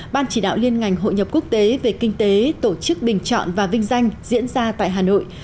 ban chỉ đạo liên ngành hội nhập quốc tế về kinh tế tổ chức bình chọn và vinh danh diễn ra tại hà nội